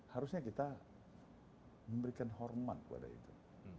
harusnya kita memberikan hormat kepada itu